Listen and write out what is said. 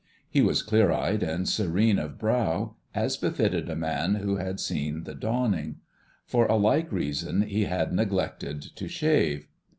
He was clear eyed and serene of brow, as befitted a man who had seen the dawning. For a like reason he had neglected to shave.